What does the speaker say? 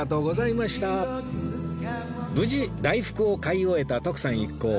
無事大福を買い終えた徳さん一行